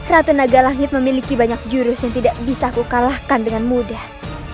ratu naga langit memiliki banyak jurus yang tidak bisa aku kalahkan dengan mudah